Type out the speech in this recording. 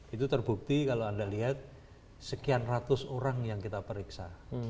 itu terbukti kalau anda lihat sekian ratus orang yang kita periksa